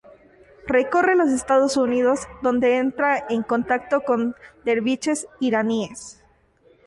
Recorre los Estados Unidos, donde entra en contacto con derviches iraníes.